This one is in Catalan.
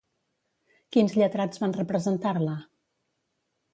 Quins lletrats van representar-la?